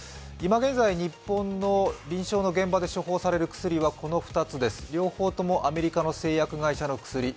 今現在日本の臨床の現場で処方される薬はこの２つです、両方ともアメリカの製薬会社の薬。